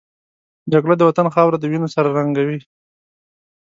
جګړه د وطن خاوره د وینو سره رنګوي